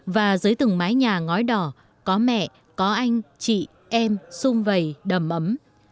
và dưới từng mái nhà ngói đỏ có mẹ có anh chị em xung vầy đầm ấm